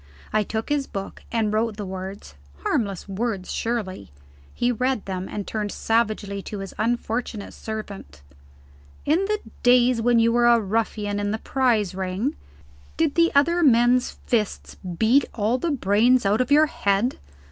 I took his book, and wrote the words harmless words, surely? He read them, and turned savagely to his unfortunate servant. "In the days when you were a ruffian in the prize ring, did the other men's fists beat all the brains out of your head?